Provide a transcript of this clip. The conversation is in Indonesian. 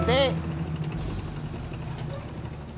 nanti senang ya mas pur